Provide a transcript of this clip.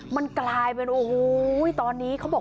มันกลายเป็นโอ้โฮ